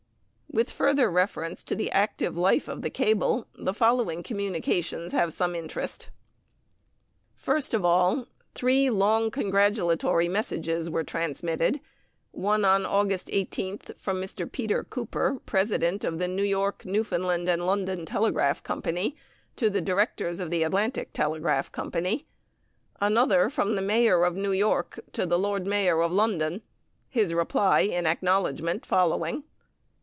With further reference to the active life of the cable, the following communications have some interest: First of all three long congratulatory messages were transmitted, one on August 18th from Mr. Peter Cooper, president of the New York, Newfoundland, and London Telegraph Company, to the directors of the Atlantic Telegraph Company; another from the Mayor of New York to the Lord Mayor of London, his reply in acknowledgment following.